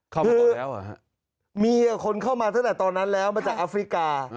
เข้ามาต่อแล้วมีคนเข้ามาตั้งแต่ตอนนั้นแล้วมาจากอัฟริกา